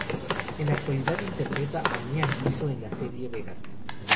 En la actualidad interpreta a Mia Rizzo en la serie Vegas.